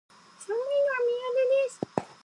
寒いのは苦手です